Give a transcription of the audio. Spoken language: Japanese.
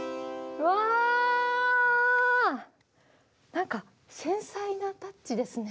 何か繊細なタッチですね。